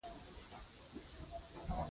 لارې خونکارې، جفاکارې دی